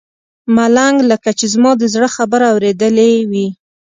ملنګ لکه چې زما د زړه خبره اورېدلې وي.